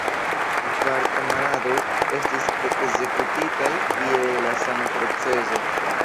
Kvar kamaradoj estis ekzekutitaj je la sama procezo.